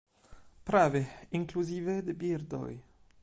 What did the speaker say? Prave, inkluzive de birdoj.